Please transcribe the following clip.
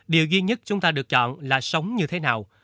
điều duy nhất chúng ta được chọn là sống như thế nào